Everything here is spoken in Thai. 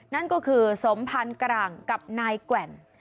นั่นก็คือสมพันธ์กร่างกับนายแกว่ง